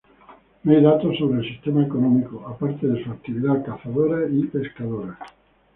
No hay datos sobre el sistema económico, aparte de su actividad cazadora y pescadora.